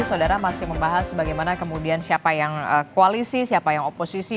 saudara masih membahas bagaimana kemudian siapa yang koalisi siapa yang oposisi